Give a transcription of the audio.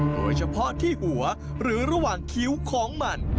โดยเฉพาะที่หัวหรือระหว่างคิ้วของมัน